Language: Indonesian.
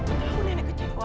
aku tahu nenek kecewa